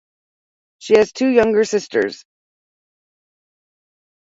She has two younger sisters.